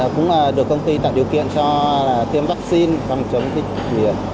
cũng được công ty tạo điều kiện cho tiêm vaccine phòng chống dịch